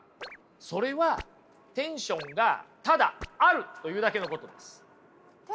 それはテンションがただあるというだけのことです。